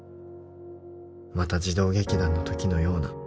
「また児童劇団の時のような」